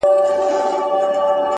• ځناور يې له لكيو بېرېدله,